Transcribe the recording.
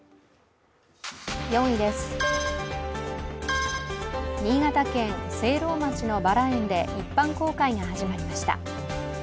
４位です、新潟県聖籠町のバラ園で一般公開が始まりました。